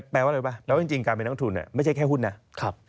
แปลว่าอะไรรู้ไหมแปลว่าจริงการเป็นทั้งทุนไม่ใช่แค่หุ้นนะ